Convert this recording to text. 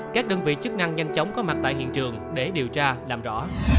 các đơn vị chức năng nhanh chóng có mặt tại hiện trường để điều tra làm rõ